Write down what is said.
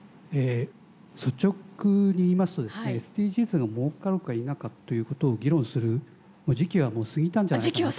率直に言いますとですねＳＤＧｓが儲かるか否かということを議論する時期はもう過ぎたんじゃないかなと。